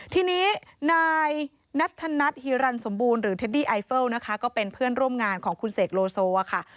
ทีนี้นายนัทธนัทฮีรันสมบูรณ์หรือเทดดี้ไอเฟิลนะคะก็เป็นเพื่อนร่วมงานของคุณเสกโลโซอะค่ะ